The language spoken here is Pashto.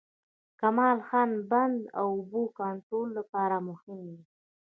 کمال خان بند د اوبو کنټرول لپاره مهم دی